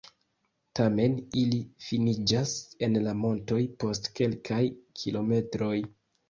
Tamen ili finiĝas en la montoj post kelkaj kilometroj.